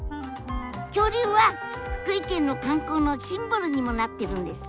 恐竜は福井県の観光のシンボルにもなってるんです。